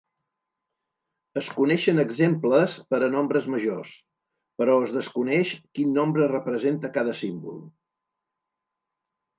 Es coneixen exemples per a nombres majors, però es desconeix quin nombre representa cada símbol.